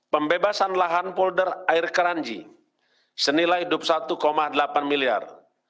pembebasan lahan polder air karanji senilai rp dua puluh satu delapan miliar